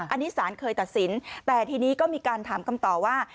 อันนี้สารเคยตัดสินแต่ทีนี้ก็มีการถามคำตอบว่า